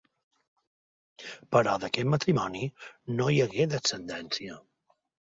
Però d'aquest matrimoni no hi hagué descendència.